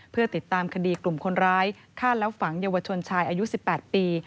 เพื่อติดตามคดีกลุ่มคนร้ายฆ่าแล้วฝังเยาวชนชายอายุ๑๘ปี